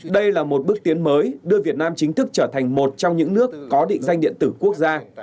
đây là một bước tiến mới đưa việt nam chính thức trở thành một trong những nước có định danh điện tử quốc gia